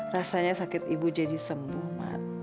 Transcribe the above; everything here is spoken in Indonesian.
rasanya sakit ibu jadi sembuh